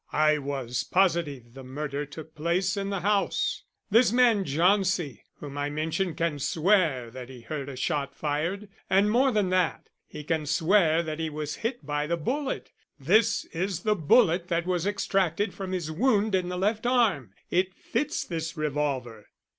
"I was positive the murder took place in the house. This man Jauncey, whom I mentioned, can swear that he heard a shot fired. And more than that, he can swear that he was hit by the bullet. This is the bullet that was extracted from his wound in the left arm. It fits this revolver."